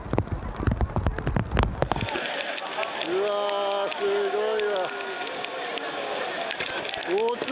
うわー、すごいわ。